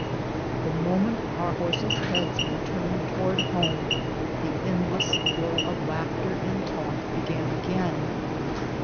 The moment our horses' heads were turned towards home the endless flow of laughter and talk began again.